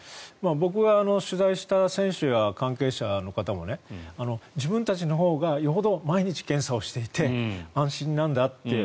僕が取材した選手や関係者の方も自分たちのほうがよほど毎日検査をしていて安心なんだって。